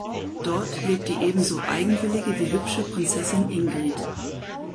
Dort lebt die ebenso eigenwillige wie hübsche Prinzessin Ingrid.